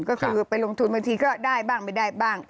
ก็คือไปลงทุนบางทีก็ได้บ้างไม่ได้บ้าง